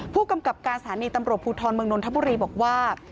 ผู้กำกับการสถานีตำรวจภูทรเมืองนนทบุรีบอกว่า